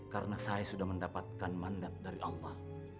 karena saya sudah mendapatkan mandat dari allah